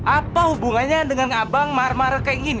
apa hubungannya dengan abang marah marah kayak gini